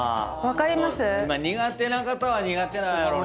苦手な方は苦手なんやろうな。